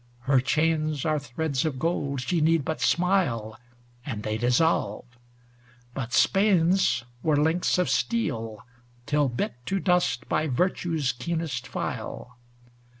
Her chains are threads of gold, she need but smile And they dissolve; but Spain's were links of steel, Till bit to dust by virtue's keenest file.